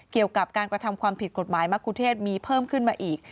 เกี่ยวกับการกระทำความผิดกฎหมายมะกุเทศมีเพิ่มขึ้นมาอีก